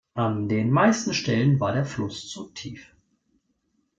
An den meisten Stellen war der Fluss zu tief.